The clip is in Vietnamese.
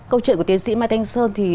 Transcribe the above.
câu chuyện của tiến sĩ mai thanh sơn thì